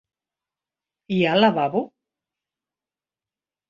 Hi ha lavabo?